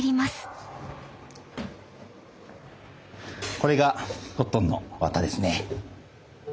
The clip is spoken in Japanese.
これがコットンの綿ですね。